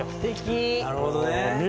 あなるほどね。